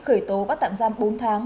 khởi tố bắt tạm giam bốn tháng